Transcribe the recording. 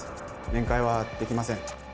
面会はできません